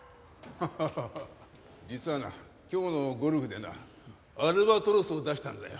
ハハハハ実はな今日のゴルフでなアルバトロスを出したんだよ。